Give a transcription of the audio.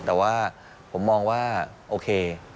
แต่ว่าผมมองว่าโอเค